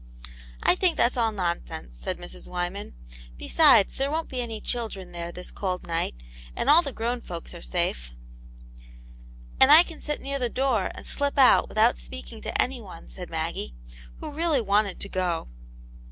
" I think that's all nonsense," said Mrs. Wyman. " Besides, there won't be any children there this cold night, and all the grown folks are safe." *' And I can sit near the door and slip out without speaking to anyone," said Maggie, who really wanted to go.